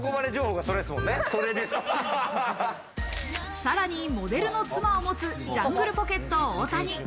さらに、モデルの妻を持つジャングルポケット・太田。